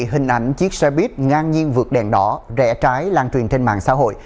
hình ảnh chiếc xe buýt ngang nhiên vượt đèn đỏ rẽ trái lan truyền trên mạng xã hội